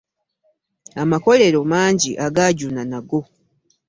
Amakolero mangi agaajuna nago.